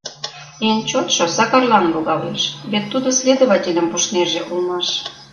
— Эн чотшо Сакарлан логалеш: вет тудо следовательым пуштнеже улмаш!